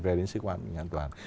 về đến sứ quán mình mới an toàn